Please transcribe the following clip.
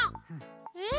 うん。